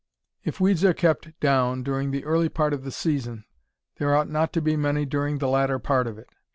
If weeds are kept down during the early part of the season there ought not to be many during the latter part of it.